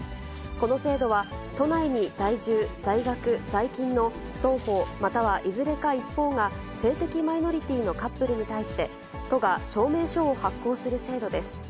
この制度は、都内に在住、在学、在勤の双方、またはいずれか一方が、性的マイノリティのカップルに対して、都が証明書を発行する制度です。